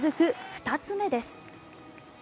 ２つ目です。